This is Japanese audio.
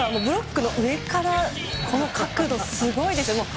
ブロックの上からこの角度はすごいです。